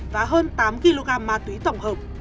và hơn tám kg ma túy tổng hợp